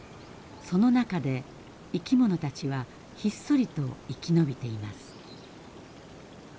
その中で生き物たちはひっそりと生き延びています。